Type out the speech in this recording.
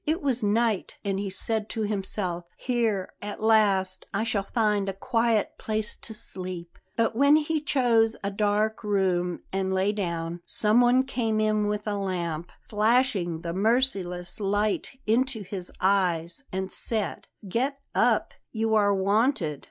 It was night, and he said to himself: "Here, at last, I shall find a quiet place to sleep." But when he chose a dark room and lay down, someone came in with a lamp, flashing the merciless light into his eyes, and said: "Get up; you are wanted."